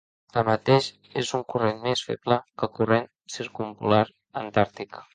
Tanmateix, és un corrent més feble que el corrent Circumpolar Antàrtic.